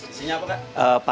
isinya apa kak